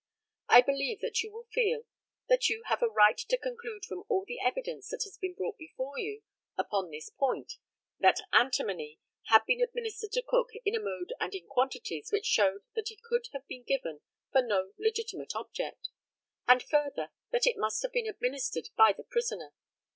I believe that you will feel that you have a right to conclude from all the evidence that has been brought before you upon this point, that antimony had been administered to Cook in a mode and in quantities which showed that it could have been given for no legitimate object; and further, that it must have been administered by the prisoner.